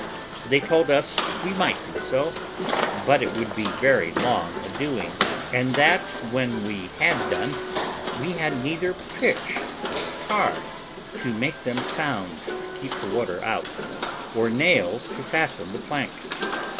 They told us we might do so, but it would be very long a doing; and that, when we had done, we had neither pitch or tar to make them sound to keep the water out, or nails to fasten the plank.